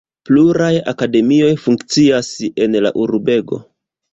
Pluraj akademioj funkcias en la urbego.